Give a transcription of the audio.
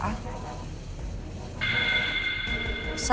kamu bisa liat sendiri kan mereka sedekat itu ah